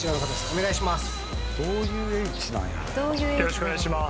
お願いします